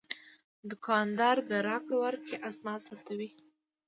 دوکاندار د راکړې ورکړې اسناد ثبتوي.